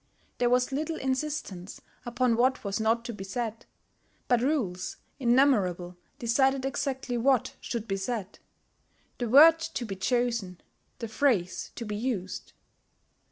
There was little insistence upon what was not to be said; but rules innumerable decided exactly what should be said, the word to be chosen, the phrase to be used.